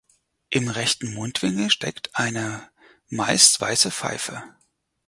Im rechten Mundwinkel steckt eine meist weiße Pfeife.